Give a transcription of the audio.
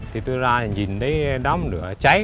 thì tôi ra nhìn thấy đám lửa cháy